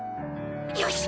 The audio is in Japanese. よし！